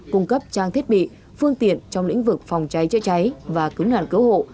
cung cấp trang thiết bị phương tiện trong lĩnh vực phòng cháy chữa cháy và cứu nạn cứu hộ